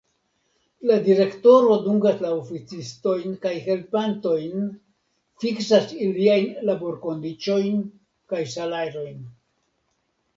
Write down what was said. La Direktoro dungas la oficistojn kaj helpantojn, fiksas iliajn laborkondiĉojn kaj salajrojn.